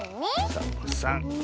サボさん。